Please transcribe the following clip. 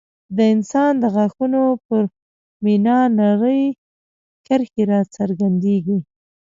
د انسان د غاښونو پر مینا نرۍ کرښې راڅرګندېږي.